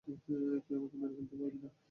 তুই আমাকে মেরে ফেলতে পারবি না।